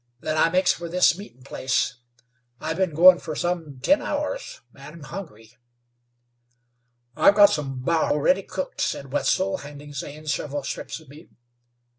Then I makes for this meetin' place. I've been goin' for some ten hours, and am hungry." "I've got some bar ready cooked," said Wetzel, handing Zane several strips of meat.